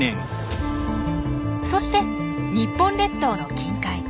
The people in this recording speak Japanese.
そして日本列島の近海。